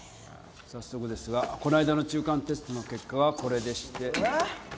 早速ですがこの間の中間テストの結果がこれでして。